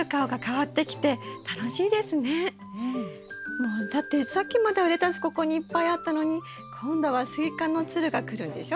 もうだってさっきまではレタスここにいっぱいあったのに今度はスイカのつるが来るんでしょ。